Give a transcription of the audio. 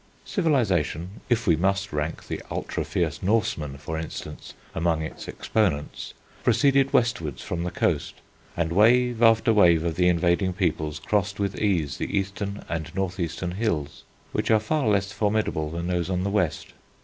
Civilisation if we must rank the ultra fierce Norsemen, for instance, among its exponents proceeded westwards from the coast, and wave after wave of the invading peoples crossed with ease the eastern and north eastern hills, which are far less formidable than those on the west.